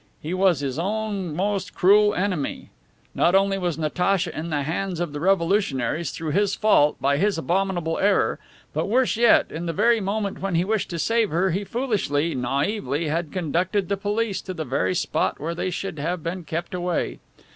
He was his own most cruel enemy. Not only was Natacha in the hands of the revolutionaries through his fault, by his abominable error, but worse yet, in the very moment when he wished to save her, he foolishly, naively, had conducted the police to the very spot where they should have been kept away.